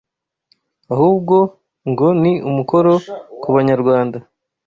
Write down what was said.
ahubwo ngo ni umukoro ku banyarwanda